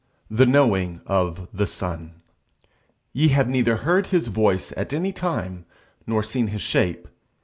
THE KNOWING OF THE SON. _Ye have neither heard his voice at any time, nor seen his shape.